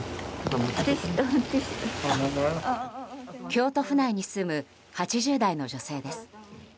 京都府内に住む８０代の女性です。